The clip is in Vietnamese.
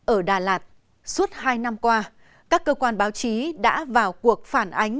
ở đà lạt suốt hai năm qua các cơ quan báo chí đã vào cuộc phản ánh